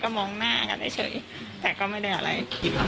มองหน้ากันเฉยแต่ก็ไม่ได้อะไร